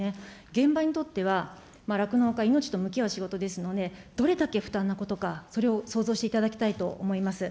現場にとっては、酪農家、命と向き合う仕事ですので、どれだけ負担なことか、それを想像していただきたいと思います。